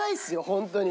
本当に。